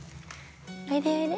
おいでおいで。